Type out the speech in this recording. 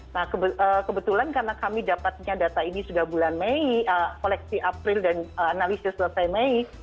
nah kebetulan karena kami dapatnya data ini sudah bulan mei koleksi april dan analisis selesai mei